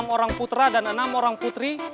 enam orang putra dan enam orang putri